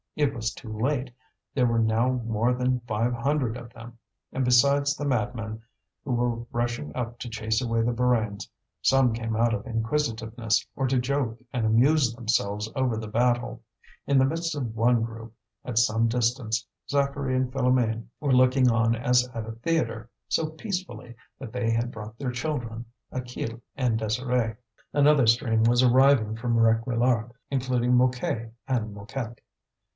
It was too late, there were now more than five hundred of them. And besides the madmen who were rushing up to chase away the Borains, some came out of inquisitiveness, or to joke and amuse themselves over the battle. In the midst of one group, at some distance, Zacharie and Philoméne were looking on as at a theatre so peacefully that they had brought their two children, Achille and Désirée. Another stream was arriving from Réquillart, including Mouquet and Mouquette.